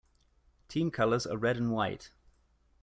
Team colours are red and white.